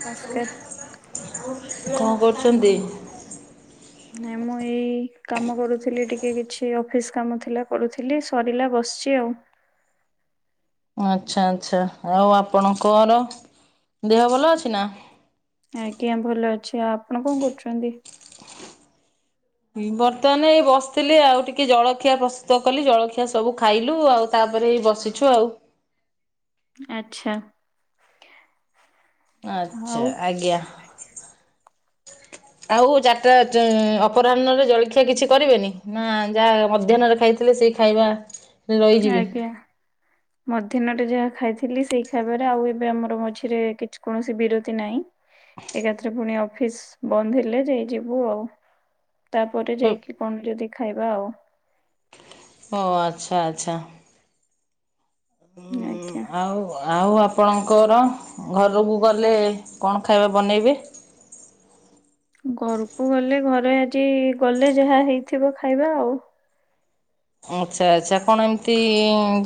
ନମସ୍କାର। କଣ କରୁଚନ୍ତି? ନଁ ମୁଁ ଏଇ କାମ କରୁଥିଲି ଟିକେ କିଛି ଅଫିସ୍ କାମ ଥିଲା କରୁଥିଲି ସରିଲା ବସିଛି ଆଉ। ଆଚ୍ଛା ଆଚ୍ଛା ଆଉ ଆପଣଙ୍କର ଦେହ ଭଲ ଅଛି ନା? ଆଜ୍ଞା ଭଲ ଅଛି ଆ ଆପଣ କଣ କରୁଛନ୍ତି? ବର୍ତ୍ତମାନ ଏଇ ବସିଥିଲି ଆଉ ଟିକେ ଜଳଖିଆ ପ୍ରସ୍ତୁତ କଲି ଜଳଖିଆ ସବୁ ଖାଇଲୁ ଆଉ ତାପରେ ଏଇ ବସିଛୁ ଆଉ ଆଚ୍ଛା ଆଚ୍ଛା ଆଉ ଆଜ୍ଞା ଆଉ ଚାରିଟା ଅପରାହ୍ନରେ ଜଳଖିଆ କିଛି କରିବେନି ନା ଯାହା ମଧ୍ୟାହ୍ନରେ ଖାଇ ଥିଲେ ସେଇ ଖାଇବା ରହିଯିବେ? ଆଜ୍ଞା ମଧ୍ୟା୍ନରେ ଯାହା ଖାଇଥିଲି ସେଇ ଖାଇବାରେ ଆଉ ଏବେ ଆମର ମଝିରେ କିଛି କୌଣସି ବିରତି ନାହିଁ ଏକାଥରେ ପୁଣି ଅଫିସ ବନ୍ଦ ହେଲେ ଯାଇଯିବୁ ଆଉ ତାପରେ ଯାଇକି କଣ ଯଦି ଖାଇବା ଆଉ ଓ ଆଚ୍ଛା ଆଚ୍ଛା ଉ ଆଜ୍ଞା ଆଉ ଆଉ ଆପଣଙ୍କର ଘରକୁ ଗଲେ କଣ ଖାଇବା ବନେଇବେ? ଘରକୁ ଗଲେ ଘରେ ଆଜି ଗଲେ ଯାହା ହେଇଥିବ ଖାଇବା ଆଉ ଆଚ୍ଛା ଆଚ୍ଛା କଣ ଏମିତି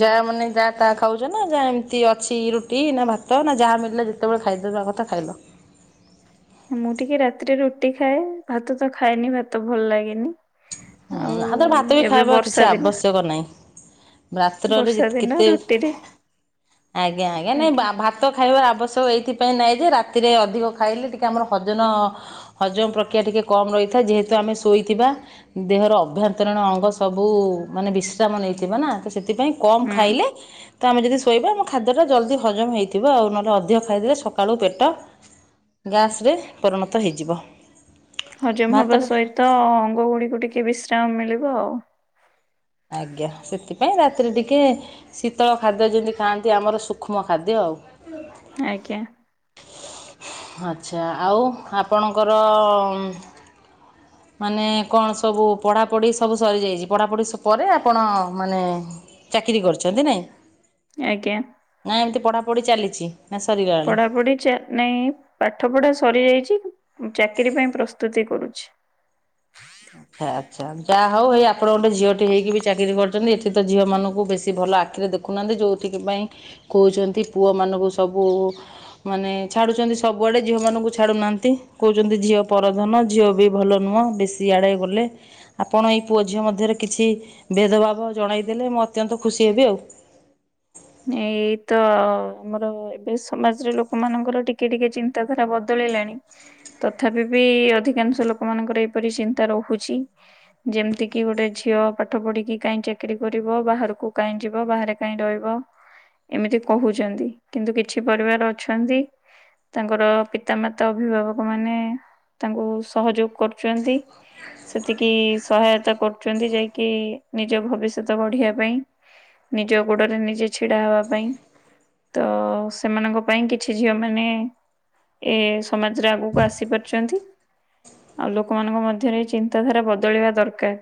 ଯାହା ମାନେ ଯାହା ତାହା ଖାଉଛ ନା ଯାହା ଏମିତି ଅଛି ରୁଟି ନା ଭାତ ତ ନା ଯାହା ମିଳିଲେ ଯେତେବେଳେ ଖାଇଦେବା କଥା ଖାଇଲ। ମୁଁ ଟିକେ ରାତିରେ ରୁଟି ଖାଏ ଭାତ ତ ଖାଏନି ଭାତ ଭଲ ଲାଗେନି ଆଉ ହୁଁ ଆଉ ତ ଭାତ ବି ଏବେ ଖାଇବା କିଛି ବର୍ଷା ଦିନ ଆବଶ୍ୟକ ନାହିଁ। ରାତ୍ରରେ ବର୍ଷା ଦିନ କେତେ ରୁଟିରେ ଆଜ୍ଞା ଆଜ୍ଞା ନାଇଁ ଭ ଭାତ ଖାଇବାର ଆବଶ୍ୟକ ଏଇଥିପାଇଁ ନାହିଁ ଯେ ରାତିରେ ଅଧିକ ଖାଇଲେ ଟିକେ ଆମର ହଜନ ହଜମ ପ୍ରକ୍ରିୟା ଟିକେ କମ ରହିଥାଏ ଯେହେତୁ ଆମେ ଶୋଇଥିବା ଦେହର ଅଭ୍ୟନ୍ତରୀଣ ଅଙ୍ଗ ସବୁ ମାନେ ବିଶ୍ରାମ ନେଇଥିବ ନା ତ ସେଥିପାଇଁ କମ୍ ହୁଁ ଖାଇଲେ ତ ଆମେ ଯଦି ଶୋଇବା ଆମ ଖାଦ୍ୟଟା ଜଲ୍ଦି ହଜମ ହେଇଥିବ ଆଉ ନହେଲେ ଅଧିକ ଖାଇଦେଲେ ସକାଳୁ ପେଟ ଗ୍ୟାସ୍ରେ ପରିଣତ ହେଇଯିବ ହଜମ ହବା ଭାତଟା ସହିତ ଅଙ୍ଗଗୁଡିକୁ ଟିକେ ବିଶ୍ରାମ ମିଳିବ ଆଉ ଆଜ୍ଞା ସେଥିପାଇଁ ରାତି ରାତିରେ ଟିକେ ଶୀତଳ ଖାଦ୍ୟ ଯେମିତି ଖାଆନ୍ତି ଆମର ସୂକ୍ଷ୍ମ ଖାଦ୍ୟ ଆଉ ଆଜ୍ଞା ଆଚ୍ଛା ଆଉ ଆପଣଙ୍କର ମାନେ କଣ ସବୁ ପଢ଼ାପଢ଼ି ସବୁ ସରିଯାଇଛି ପଢ଼ାପଢ଼ି ପରେ ଆପଣ ମାନେ ଚାକିରି କରିଛନ୍ତି ନାଇଁ ଆଜ୍ଞା ନାଇଁ ଏମିତି ପଢ଼ାପଢ଼ି ଚାଲିଛି ନା ସରିଗଲାଣି ପଢ଼ାପଢ଼ ଚା ନାଇଁ ପାଠ ପଢା ସରି ଯାଇଛି ଚାକିରୀ ପାଇଁ ପ୍ରସ୍ତୁତି କରୁଛି ଆ ଆଚ୍ଛା ଯାହା ହଉ ହେଇ ଆପଣ ଗୋଟେ ଝିଅଟି ହେକି ବି ଚାକିରି କରିଛନ୍ତି ଏଠି ତ ଝିଅ ମାନଙ୍କୁ ବେଶୀ ଭଲ ଆଖିରେ ଦେଖ ରଖୁନାହାନ୍ତି ଯେଉଁଥିପାଇଁ କହୁଛନ୍ତି ପୁଅମାନଙ୍କୁ ସବୁ ମାନେ ଛାଡୁଛନ୍ତି ସବୁଆଡେ ଝିଅ ମାନଙ୍କୁ ଛାଡୁନାହାନ୍ତି କହୁଛନ୍ତି ଝିଅ ପରଧନ ଝିଅ ବି ଭଲ ନୁହଁ ବେଶି ଆଡ଼େ ଗଲେ ଆପଣ ଏଇ ପୁଅ ଝିଅ ମଧ୍ୟରେ କିଛି ଭେଦଭାବ ଜଣାଇଦେଲେ ମୁଁ ଅତ୍ୟନ୍ତ ଖୁସି ହେବି ଆଉ ଏଇ ତ ଆମର ଏବେ ସମାଜରେ ଲୋକମାନଙ୍କର ଟିକେ ଟିକେ ତା ଧରା ବଦଳିଲାଣି। ତଥାପି ବି ଅଧିକାଂଶ ଲୋକମାନଙ୍କର ଏପରି ଚିନ୍ତା ରହୁଛି। ଯେମିତିକି ଗୋଟେ ଝିଅ ପାଠ ପଢ଼ିକି କାଇହିଁ ଚାକିର କରିବ ବାହାରକୁ କାଇହିଁ ଯିବ ବାହାରେ କାହିଁ ରହିବ। ଏମିତି କହୁଛନ୍ତି କିନ୍ତୁ କିଛି ପରିବାର ଅଛନ୍ତି। ତାଙ୍କର ପିତାମାତା ଅଭିଭାବକ ମାନେ ତାଙ୍କୁ ସହଯୋଗ କରୁଛନ୍ତି। ସେତିକି ସହାୟତା କରୁଛନ୍ତି ଯାଇକି ନିଜ ଭବିଷ୍ୟତ ବଢିବା ପାଇଁ ନିଜ ଗୋଡରେ ନିଜେ ଛିଡା ହବା ପାଇଁ ତ ସେମାନଙ୍କ ପାଇଁ କିଛି ଝିଅ ମାନେ ଏ ସମାଜରେ ଆଗକୁ ଆସିପାରୁଛନ୍ତି। ଆଉ ଲୋକମାନଙ୍କ ମଧ୍ୟରେ ଏଇ ଚିନ୍ତାଧାରା ବଦଳିବା ଦରକାର।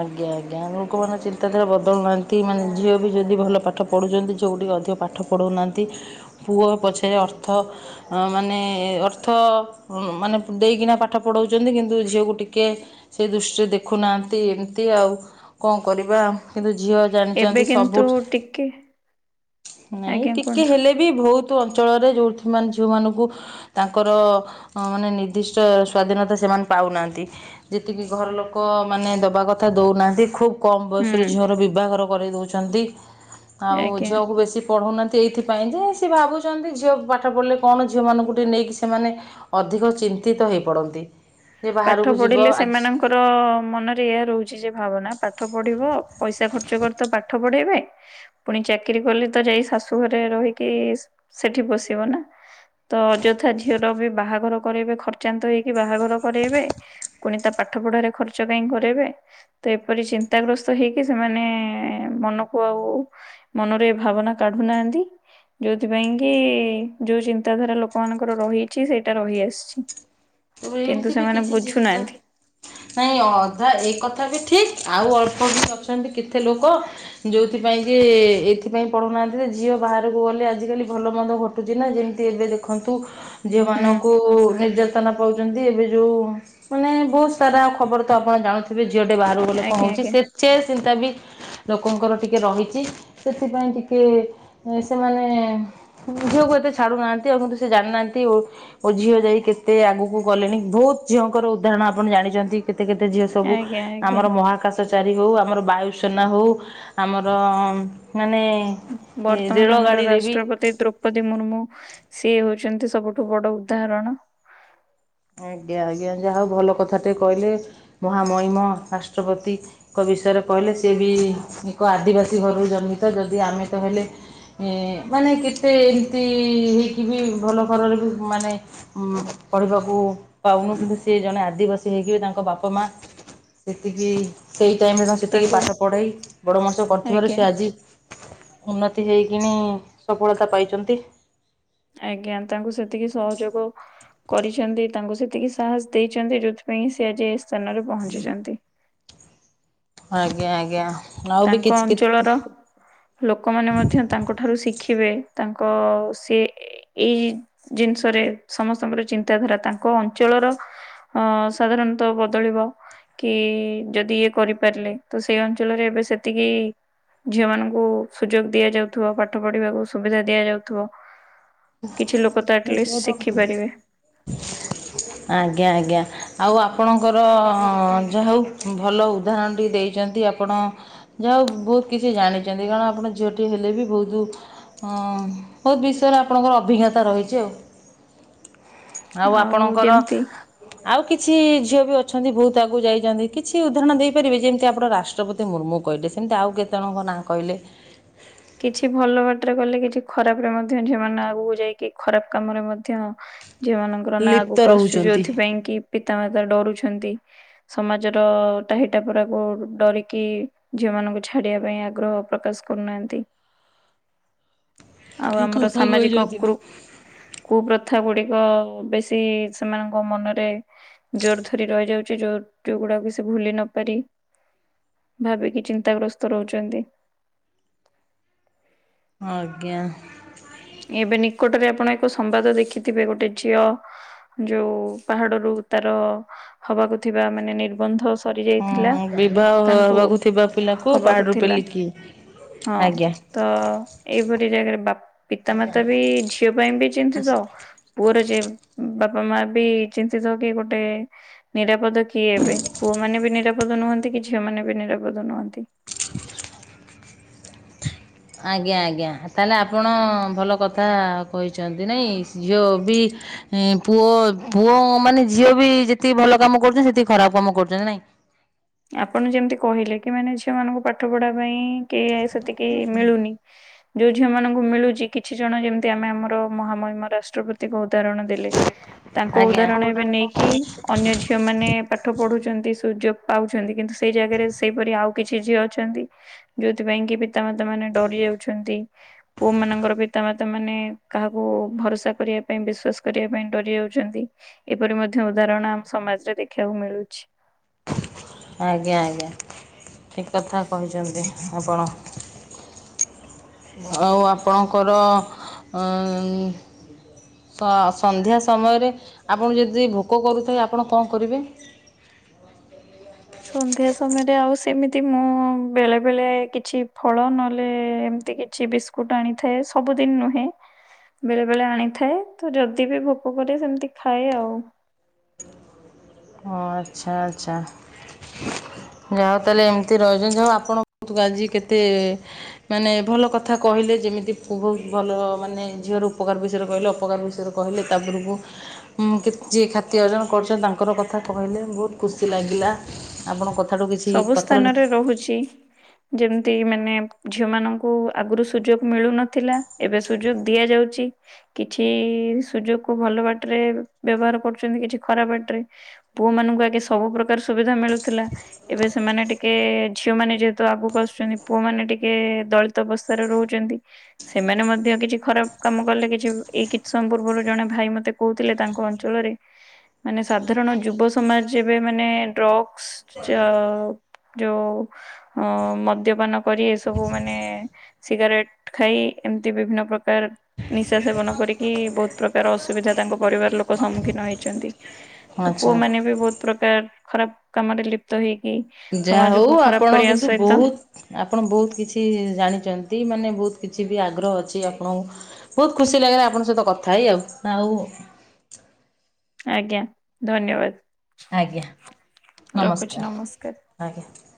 ଆଜ୍ଞା ଆଜ୍ଞା ଲୋକମାନେ ଚିନ୍ତାଧାରା ବଦଳୁନାହାନ୍ତି ମାନେ ଝିଅ ବି ଯଦି ଭଲ ପାଠ ପଢୁଛନ୍ତି ଝିଅ ଟିକେ ଅଧିକ ପାଠ ପଢ଼ୁନାହାନ୍ତି ପୁଅ ପଛରେ ଅର୍ଥ ମାନେ ଅର୍ଥ ମାନେ ଦେଇକିନା ପାଠ ପଢ଼ାଉଛନ୍ତି କିନ୍ତୁ ଝିଅକୁ ଟିକେ ସେ ଦୃଷ୍ଟିରେ ଦେଖୁନାହାନ୍ତି। ଏତି ଏମିତି ଆଉ କଣ କରିବା। କିନ୍ତୁ ଝିଅ ଏବେ ଜାଣିଛନ୍ତି କିନ୍ତୁ ସବୁଠ ଟିକେ ନାଇଁ ଆଜ୍ଞା ଟିକେ କୁହନ୍ତୁ ହେଲେ ବି ବହୁତ ଅଞ୍ଚଳରେ ଯୋଉଥି ଯୋଉ ମାନେ ଝଉମାନଙ୍କୁ ତାଙ୍କର ମାନେ ନିର୍ଦ୍ଦିଷ୍ଟ ସ୍ଵାଧୀନତା ସେମାନେ ପାଉନାହାନ୍ତି। ଯେତିକି ଘର ଲୋକ ମାନେ ଦେବା କଥା ଦଉନାହନ୍ତି ଖୁବ୍ କ ହୁଁ ବୟସରୁ ଝିଅର ବିବାହର କରାଇ ଦେଉଛନ୍ତି। ଆଉ ଆଜ୍ଞା ଝିଅକୁ ବେଶୀ ପଢ଼ଉନାହାନ୍ତି ଏଇଥିପାଇଁ ଯେ ସିଏ ଭାବୁଛନ୍ତି ଝିଅ ପାଠ ପଢ଼ିଲେ କଣ ଝିଅମାନଙ୍କୁ ଟିକେଏ ନେଇକି ସେମାନେ- ଅଧିକ ଚିନ୍ତିତ ହେଇ ପଡନ୍ତି ଯେ ବାହାରକୁ ଯିବ ଆଜି ତାଙ୍କର ମନରେ ଏହାଇ ରହୁଛି ଯେ ଭାବନା ପାଠ ପଢ଼ିବ ପଇସା ଖର୍ଚ୍ଚ କରି ତ ପାଠ ପଢ଼ାଇବେ। ପୁଣି ଚାକିରିୀ କଲେ ତ ଯାଇ ଶାଶୁ ଘରେ ରହିକି ସେଠି ବସିବ ନା। ତ ଅଯଥା ଝିଅର ବି ବାହାଘର କରାଇବେ ଖର୍ଚାନ୍ତ ହେଇକି ବାହାଘର। କରାଇବେ ପୁଣି ତା ପାଠ ପଢ଼ାରେ ଖର୍ଚ କାହିଁ କରାଇବେ? ତ ଏପରି ଚିନ୍ତାଗ୍ରସ୍ତ ହେଇକି ସେମାନେ ମନକୁ ଆଉ। ମନରେ ଭାବନା କାଢୁନାହାନ୍ତି। ଯୋଉଥି ପାଇଁ କି ଯୋଉ ଚିନ୍ତାଧାରା ଲୋକମାନଙ୍କର ରହିଛି ସେଇଟା ରହିଆସିଛି। ତବେ କିନ୍ତୁ ଏମିତି ବି ସେମାନେ କିଛି ଚିନ୍ତା ବୁଝୁନାହାନ୍ତି ନାଇଁ ଅଧା ଏ କଥା ବି ଠିକ ଆଉ ଅଳ୍ପ ବି ଅଛନ୍ତି କେତେ ଲୋକ ଯୋଉଥିପାଇଁ କି ଏଥିପାଇଁ ପଢ଼ୁନାହାନ୍ତି ଝିଅ ବାହାରକୁ ଗଲେ ଆଜିକାଲି ଭଲ ମନ୍ଦ ଚି ନା ଯେମିତି ଏବେ ଦେଖନ୍ତୁ ଝିଅ ହୁଁ। ମାନଙ୍କୁ ନିର୍ଯା ତନା ପାଉଛନ୍ତି ଏବେ ଯୋଉ ମାନେ ବହୁତ ସାରା ଖବର ତ ଆପଣ ଜାଣୁଥି ଥୀବେ ଝିଅ ଟେ ବାହାରୁ ଗଲେ କଁ ଆଜ୍ଞା ହଉଛି ଆଜ୍ଞା ସେ ଚେ ସେ ଚିନ୍ତା ବି। ଲୋକଙ୍କର ଟିକେ ରହିଛି ସେଥିପାଇଁ ଟିକେ ସେମାନେ। ଝୁଅ କୁ ଏତେ ଛାଡୁ ନାହାନ୍ତି ଆଉ କିନ୍ତୁ ସେ ଜାଣୁ ନାହାନ୍ତି ଓ ଝିଅ ଯାଇ କେ କେତେ ଆଗକୁ ଗଲେଣି ବହୁତ ଝିଅଙ୍କର ଉଦାହରଣ ଆପଣ ଜାଣିଛନ୍ତି। କେତେ କେତେ ଝିଅ ସବୁ ଆଜ୍ଞା ଆଜ୍ଞା ଆମର ମହାକାଶ। ଚାରୀ ହେଉ ଆମର ବାୟୁସେନା ହେଉ ଆମର ମାନେ। ରେଳ ବର୍ତ୍ତମାନ ଆମର ଗାଡିରେ ବି ରାଷ୍ଟ୍ରପତି ଦ୍ରୌପ୍ ଦ୍ରୌପଦୀ ମୁର୍ମୁ ସିଏ ହଉଛନ୍ତି ସବୁଠୁ ବଡ ଉଦାହରଣ। ଆଜ୍ଞା ଆଜ୍ଞା ଯାହା ହଉ ଭଲ କଥାଟେ କହିଲେ ମହାମହିମ ରାଷ୍ଟ୍ରପତି। ଙ୍କ ବିଷୟରେ କହିଲେ ସିଏ ବି ଏକ ଆଦିବାସୀ ଘରରୁ ଜନ୍ମିତ ଯଦି ଆମେ ତ ହେଲେ। ଏ ମାନେ କେତେ ଏମିତି ହେଇକି ବି ଭଲ ଘର‌ ରେ ବି ମାନେ। ଉଁ ପଢ଼ିବାକୁ ପାଉନୁ ସେ ଜଣେ ଆଦିବାସୀ ହେଇକି ତାଙ୍କ ବାପା ମା। ସେତିକି ସେଇ ଟାଇମ ରେ ତାଙ୍କୁ ସେତିକି ପାଠ ପଢେଇ ବଡ ମଣିଷ କରିଥିବାରୁ ସେ ଆଜ୍ଞା ଆଜି। ଉନ୍ନତି ହେଇକିନି ସଫଳତା ପାଇଛନ୍ତି। ଆଜ୍ଞା ତାଙ୍କୁ ସେତିକି ସହଯୋଗ। କରିଛନ୍ତି ତାଙ୍କୁ ସେତିକି ସାହସ ଦେଇଛନ୍ତି ଯୋଉଥିପାଇଁ ସେ ଆଜି ଏ ସ୍ଥାନରେ ପହଞ୍ଚିଛନ୍ତି। ଆଜ୍ଞା ଆଜ୍ଞା। ଆଉ ବି ତାଙ୍କ କିଛି ଅଞ୍ଚଳର। ଲୋକମାନେ ମଧ୍ୟ ତାଙ୍କ ଠାରୁ ଶିଖିବେ ତାଙ୍କ ସେ ଏଇ ଜିନିଷରେ ସମସ୍ତଙ୍କର ଚିନ୍ତାଧାରା ତାଙ୍କ ଅଞ୍ଚଳର। ଅ ସାଧାରଣତଃ ବଦଳିବ। କି ଯଦି ଇଏ କରିପାରିଲେ ତ ସେଇ ଅଞ୍ଚଳରେ ଏବେ ସେତିକି। ଝିଅ ମାନଙ୍କୁ ସୁଯୋଗ ଦିଆଯାଉ ଥିବ ପାଠ ପଢ଼ିବାକୁ ସୁବିଧା ଦିଆ ଯାଉଥିବ। କିଛି ଲୋକ ତ ଆଟଲିଷ୍ଟ କେତେ ଶିଖିପାରିବେ। [inaudible] ଆଜ୍ଞା ଆଜ୍ଞା ଆଉ ଆପଣଙ୍କର ଯା ହଉ ଭଲ ଉଦାହରଣ ଟିଏ ଦେଇଛନ୍ତି ଆ ଆପଣ ଯାହା ହଉ ବହୁତ କିଛି ଜାଣିଛନ୍ତି କାରଣ ଆପଣ ଝିଅଟିଏ ହେଲେ ବି ବହୁତ। ହଁ ବହୁତ ବିଷୟରେ ଆପଣଙ୍କର ଅଭିଜ୍ଞତା ରହିଛି ଆଉ। ଆଉ ଆପଣଙ୍କର। ଆଉ କିଛି ଝିଅ ବି ଅଛନ୍ତି ବହୁତ ଆଗକୁ ଯାଇଛନ୍ତି କିଛି ଉଦାହରଣ ଦେଇପାରିବେ ଯେମିତି ଆପଣ ରାଷ୍ ଷ୍ଟ୍ର ପତି ମୁର୍ମୁ କହିଲେ ସେମିତି ଆଉ କେତେ ଜଣଙ୍କ ନାଁ କହିଲେ। କିଛି ଭଲ ବାଟରେ କଲେ କିଛି ଖରାପ ରେ ମଧ୍ୟ ଝିଅମାନେ ଆଗକୁ ଯାଇକି ଖରାପ କାମରେ ମଧ୍ୟ। ଝିଅ ମାନଙ୍କର ନାଁ ଲିପ୍ତ ଆଗକୁ ଆସୁଛି ରହୁଛନ୍ତି ଯୋଉଥିପାଇଁ କି ପିତାମାତା ଡରୁଛନ୍ତି। ସମାଜର ଟାହିଟା ପୁରାକୁ ଡରିକି। ଝିଅ ମାନଙ୍କୁ ଛାଡିବା ପାଇଁ ଆଗ୍ରହ ପ୍ରକାଶ କରୁନାହାନ୍ତି। ଆଉ ଠିକ ଆମର କଥା ସାମାଜିକ କହିଛନ୍ତି। କୃ କୁପ୍ରଥା ଗୁଡିକ ବେଶୀ ସେମାନଙ୍କ ମନରେ। ଜୋର ଧରି ରହିଯାଉଛି ଯୋଉ ଟି ଗୁଡା କୁ ସେ ଭୁଲି ନ ପାରି। ଭାବିକି ଚିନ୍ତାଗ୍ରସ୍ତ ରହୁଛନ୍ତି। ଆଜ୍ଞା। ଏବେ ନିକଟରେ ଆପଣ ଏକ ସମ୍ବାଦ ଦେଖିଥିବେ ଗୋଟେ ଝିଅ। ଯୋଉ ପାହାଡ ରୁ ତାର ହବାକୁ ଥିବା ମାନେ ନିର୍ବନ୍ଧ। ସରି ଯାଇଥିଲା ହଁ ବିବାହ ତାଙ୍କୁ ହେବାକୁ ଥିବା ପିଲାକୁ ହବାକୁ ପାହାଡ଼ରୁ ଥିଲା। ପେଲିକି ହଁ ଆଜ୍ଞା ତ ଏଇପରି ଜାଗାରେ ବାପ୍ ପିତାମାତା ବି ଝିଅ ପାଇଁ ବି ଚିନ୍ତିତ। ପୁଅର ଯେ ବାପା ମା ବି ଚିନ୍ତିତ କି ଗୋଟେ ନିରାପଦ କି କିଏ ଏବେ ପୁଅ ମାନେ ବି ନିରାପଦ ନୁହଁନ୍ତି କି ଝିଅ ମାନେ ବି ନିରାପଦ ନୁହଁନ୍ତି। ଆଜ୍ଞା ଆଜ୍ଞା। ଆ ତାହେଲେ ଆପଣ ଭଲ କଥା କହିଛନ୍ତି ନାଇଁ ଝିଅ ବି ପୁଅ ପୁଅ ମାନେ ଝିଅ ବି ଯେତିକି ଭଲ କାମ କରୁଛନ୍ତି ସେତିକି ଖରାପ କାମ କରୁଛନ୍ତି ନାଇଁ। ଆପଣ ଯେମିତି କହିଲେ କି ମାନେ ଝିଅ ମାନଙ୍କୁ ପାଠ ପଢା ପାଇଁ କି ସେତିକି ମିଳୁନି। ଯୋଉ ଝିଅ ମାନଙ୍କୁ ମିଳୁଛି କିଛି ଜଣ ଯେମିତି ଆମେ ଆମର ମହାମହିମ ରାଷ୍ଟ୍ରପତିଙ୍କ ଉଦାହରଣ ଦେଲେ। [inaudible] ତାଙ୍କ ଉଦାହରଣ ଏବେ ନେଇକି ଅନ୍ୟ ଝିଅ ମାନେ ପାଠ ପଢୁଛନ୍ତି ସୂଜୋ ପାଉଛନ୍ତି କିନ୍ତୁ ସେଇ ଜାଗାରେ ସେଇପରି ଆଉ କିଛି ଝିଅ ଅଛନ୍ତି ଯୋଉଥିପାଇଁ କି ପିତାମାତା ମାନେ ଡରି ଯାଉଛନ୍ତି। ପୁଅ ମାନଙ୍କର ପିତାମାତା ମାନେ କାହାକୁ ଭରସା କରିବା ପାଇଁ ବିଶ୍ୱାସ କରିବା ପାଇଁ ଡରି ଯାଉଛନ୍ତି। ଏପରି ମଧ୍ୟ ଉଦାହରଣ ଆମ ସମାଜରେ ଦେଖିବାକୁ ମିଳୁଛି। ଆଜ୍ଞା ଆଜ୍ଞା ଠିକ କଥା କହିଛନ୍ତି ଆପଣ। ଆଉ ଆପଣଙ୍କର ଅଁ ସ ସନ୍ଧ୍ୟା ସମୟରେ ଆପଣଙ୍କୁ ଯଦି ଭୋକ କରୁଥାଏ ଆପଣ କଣ କରିବେ? ସନ୍ଧ୍ୟା ସମୟରେ ଆଉ ସେମିତି ମୁଁ ବେଳେ ବେଳେ କିଛି ଫଳ ନହେଲେ ଏମିତି କି କିଛି ବିସ୍କୁଟ ଆଣିଥାଏ ସବୁଦିନ ନୁହେଁ। ବେଳେ ବେଳେ ଆଣିଥାଏ ତ ଯଦି ବି ଭୋକ କରେ ସେମିତି ଖାଏ ଆଉ। ହ ଆଚ୍ଛା ଆଚ୍ଛା। ଯାହା ହଉ ତାହେଲେ ଏମିତି ରହିଛନ୍ତି ଯାଉ ଆପଣ ଆଜି କେତେ ମାନେ ଭଲ କଥା କହିଲେ ଯେମିତି ବହୁତ ଭଲ ମାନେ ଝିଅ ର ଉପକାର ବିଷୟରେ କହିଲେ ଅପକାର ବିଷୟରେ କହିଲେ ତା ଉପରକୁ ଯିଏ ଖ୍ୟତି ଅର୍ଜନ କରୁଛନ୍ତି ତାଙ୍କର କଥା କଥା କହିଲେ ବହୁତ ଖୁସି ଲାଗିଲା। ଆପଣଙ୍କ କଥାଠୁ କିଛି ସବୁ କଥାରୁ ସ୍ଥାନରେ ରହୁଛି। ଯେମିତି ମାନେ ଝିଅ ମାନଙ୍କୁ ଆଗରୁ ସୁଯୋଗ ମିଳୁନଥିଲା ଏବେ ସୁଯୋଗ ଦିଆଯାଉଛି। କିଛି ସୁଯୋଗ କୁ ଭଲ ବାଟରେ ବ୍ୟବହାର କରୁଛନ୍ତି କିଛି ଖରାପ ବାଟ ରେ। ପୁଅ ମାନଙ୍କୁ ଆଗେ ସବୁ ପ୍ରକାର ସୁବିଧା ମିଳୁଥିଲା ଏବେ ସେମାନେ ଟିକେ ଝିଅ ମାନେ ଯେହେତୁ ଆଗକୁ ଆସୁଛନ୍ତି ପୁଅମାନେ ଟିକେ ଦଳିତ ଅବସ୍ଥାରେ ରହୁଛନ୍ତି। ସେମାନେ ମଧ୍ୟ କିଛି ଖରାପ କାମ କଲେ କିଛି ଏଇ କିଛି ସମୟ ପୂର୍ବରୁ ଜଣେ ଭାଇ ମତେ କହୁଥିଲେ ତାଙ୍କ ଅଞ୍ଚଳରେ ମାନେ ସାଧାରଣ ଯୁବ ସମାଜ ଏବେ ମାନେ ଡ୍ରଗ୍ସ ଅ ଯୋଉ ଅ ମଦ୍ୟପାନ କରି ଏସବୁ ମାନେ ସିଗାରେଟ ଖାଇ ଏମିତି ବିଭିନ୍ନ ପ୍ରକାର ନିଶା ସେବନ କରିକି ବହୁତ ପ୍ରକାର ଅସୁବିଧା ତାଙ୍କ ପରିବାର ଲୋକ ସମ୍ମୁଖୀନ ହେଇଛନ୍ତି। ତ ଆଚ୍ଛା ପୁଅ ମାନେ ବି ବହୁତ ପ୍ରକାର ଖରାପ କାମରେ ଲିପ୍ ପ୍ତ ହେଇକି ଯାହା ହଉ ସମାଜକୁ ଆପଣ ଖରାପ କରିବା କିନ୍ତୁ ସହିତ ବହୁତ ଆପଣ ବହୁତ କିଛି ଜାଣିଛନ୍ତି ମାନେ ବହୁତ କିଛି ବି ଆଗ୍ରହ ଅଛି ଆପଣଙ୍କୁ ବହୁତ ଖୁସି ଲାଗିଲା ଆପଣଙ୍କ ସହିତ କଥା ହେଇ ଆଉ ଆଉ ଆଜ୍ଞା ଧନ୍ୟବାଦ। ଆଜ୍ଞା ନମସ୍କାର ଆଜ୍ଞା।